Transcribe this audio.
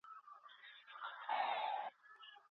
ایا ځايي کروندګر تور ممیز پلوري؟